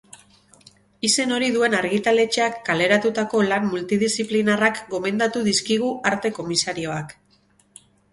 Izen hori duen argitaletxeak kaleratutako lan multidisziplinarrak gomendatu dizkigu arte komisarioak.